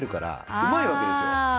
うまいわけですよ。